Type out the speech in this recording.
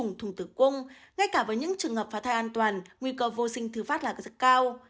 ngay cả với những trường hợp phá thai an toàn nguy cơ vô sinh thứ phát là rất cao